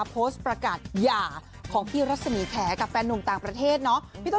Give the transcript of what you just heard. อะไรอย่างนี้ส่งสัญญาณไปก่อน